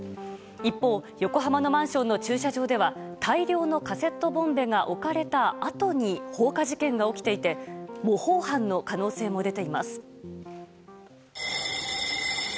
一方横浜のマンションの駐車場では大量のカセットボンベが置かれたあとに放火事件が起きていて模倣犯の可能性も出ています。